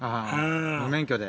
無免許で。